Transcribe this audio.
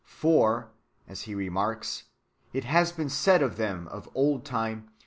" For," He re marks, "it has been said to them of old time.